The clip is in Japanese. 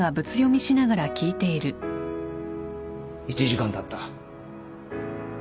１時間たった。